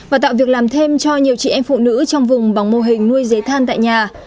và tạo việc làm thêm cho nhiều chị em phụ nữ trong vùng bằng mô hình nuôi dế than tại nhà